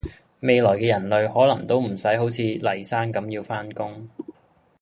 未來既人類可能都唔洗好似黎生咁要返工